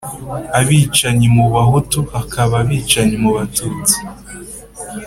abicanyi mu Bahutu, hakaba abicanyi mu Batutsi,